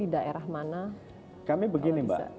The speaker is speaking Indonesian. daerah mana kami begini mbak